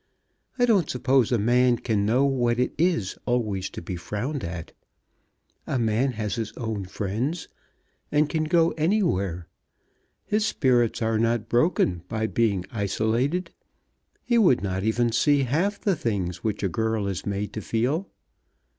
I don't suppose a man can know what it is always to be frowned at. A man has his own friends, and can go anywhere. His spirits are not broken by being isolated. He would not even see half the things which a girl is made to feel.